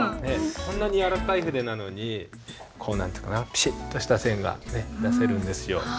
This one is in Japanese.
こんなに柔らかい筆なのにこう何て言うかなピシッとした線が出せるんですよ。